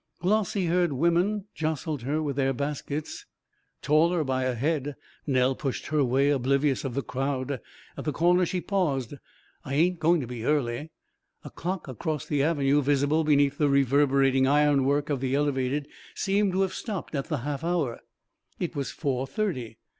Glossy haired women jostled her with their baskets. Taller by a head, Nell pushed her way oblivious of the crowd. At the corner she paused. "I ain't going to be early." A clock across the avenue, visible beneath the reverberating ironwork of the elevated, seemed to have stopped at the half hour. It was four thirty.